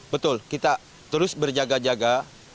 betul kita terus berjaga jaga